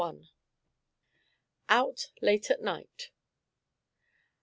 OUT LATE AT NIGHT.